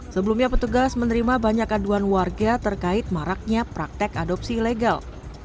sebelumnya petugas menerima banyak aduan warga terkait maraknya praktek adopsi ilegal